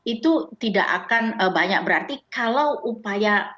itu tidak akan banyak berarti kalau upaya